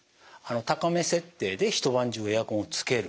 高め設定で一晩中エアコンをつける。